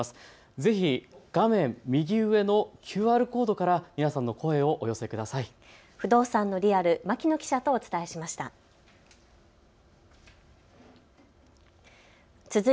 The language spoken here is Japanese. ぜひ画面右上のＱＲコードから皆さんの声をお寄せください。